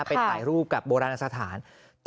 ไปถ่ายรูปกับโบราณสถาน